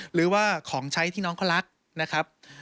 หรือว่าของใช้ที่น้องเขารักนะครับ